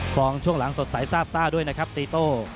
ช่วงหลังสดใสซาบซ่าด้วยนะครับตีโต้